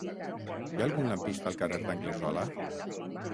Hi ha algun lampista al carrer d'Anglesola?